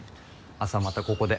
朝またここで。